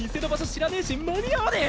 知らねぇし間に合わねぇ！